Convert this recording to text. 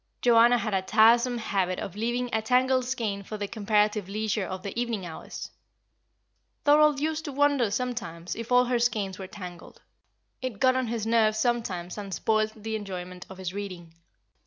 Joanna had a tiresome habit of leaving a tangled skein for the comparative leisure of the evening hours. Thorold used to wonder sometimes if all her skeins were tangled. It got on his nerves sometimes and spoilt the enjoyment of his reading.